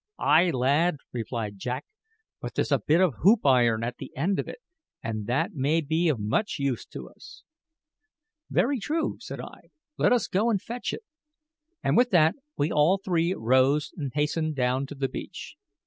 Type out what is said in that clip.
"Ay, lad," replied Jack; "but there's a bit of hoop iron at the end of it, and that may be of much use to us." "Very true," said I; "let us go fetch it." And with that we all three rose and hastened down to the beach.